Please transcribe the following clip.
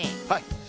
はい。